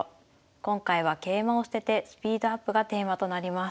今回は「桂馬を捨ててスピードアップ」がテーマとなります。